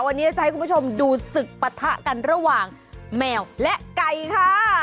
วันนี้เราจะให้คุณผู้ชมดูศึกปะทะกันระหว่างแมวและไก่ค่ะ